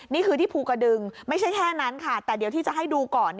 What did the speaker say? นี่คือที่ภูกระดึงไม่ใช่แค่นั้นค่ะแต่เดี๋ยวที่จะให้ดูก่อน